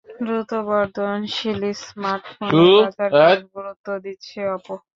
দ্রুত বর্ধনশীল স্মার্টফোনের বাজারকে গুরুত্ব দিচ্ছে অপো।